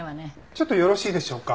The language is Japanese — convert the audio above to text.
ちょっとよろしいでしょうか？